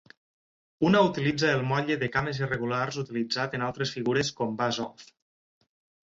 Una utilitza el motlle de "cames irregulars" utilitzat en altres figures com Buzz-Off.